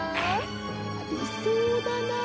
ありそうだなあ。